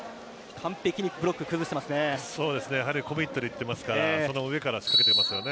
完璧にブロック崩していますね。